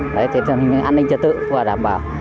đấy thì an ninh trật tự và đảm bảo